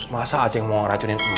masa aceh yang mau racunin emak